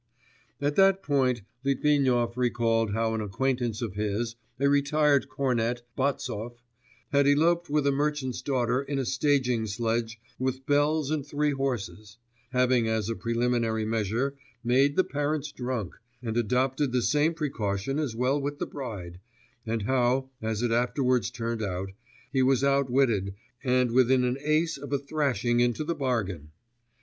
At that point Litvinov recalled how an acquaintance of his, a retired cornet, Batsov, had eloped with a merchant's daughter in a staging sledge with bells and three horses, having as a preliminary measure made the parents drunk, and adopted the same precaution as well with the bride, and how, as it afterwards turned out, he was outwitted and within an ace of a thrashing into the bargain.